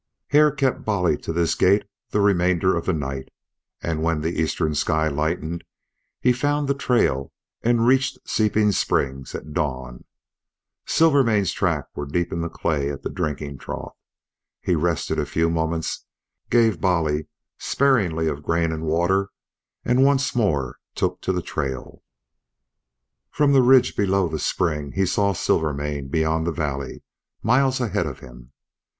Hare kept Bolly to this gait the remainder of the night, and when the eastern sky lightened he found the trail and reached Seeping Springs at dawn. Silvermane's tracks were deep in the clay at the drinking trough. He rested a few moments, gave Bolly sparingly of grain and water, and once more took to the trail. From the ridge below the spring he saw Silvermane beyond the valley, miles ahead of him.